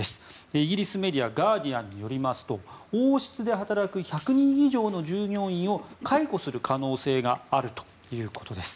イギリスメディアガーディアンによりますと王室で働く１００人以上の従業員を解雇する可能性があるということです。